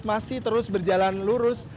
masih terus berjalan lurus